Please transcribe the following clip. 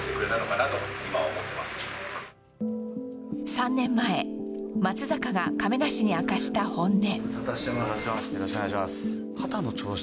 ３年前松坂が亀梨に明かした本音。